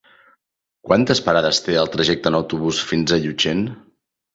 Quantes parades té el trajecte en autobús fins a Llutxent?